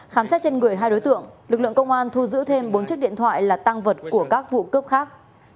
khám xét trên người hai đối tượng lực lượng công an thu giữ thêm bốn chiếc điện thoại là tăng vật của các vụ cướp khác